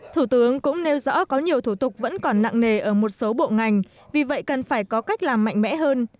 thủ tướng cũng nêu rõ có nhiều thủ tục vẫn còn nặng nề ở một số bộ ngành vì vậy cần phải có cách làm mạnh mẽ hơn